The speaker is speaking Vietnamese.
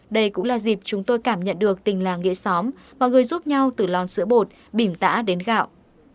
đây cũng là dịp chúng tôi cảm nhận được tình làng nghĩa xóm mọi người giúp nhau từ lòn sữa bột bìm tã đến gạo